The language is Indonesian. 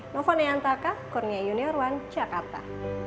novo neantaka kurnia junior one jakarta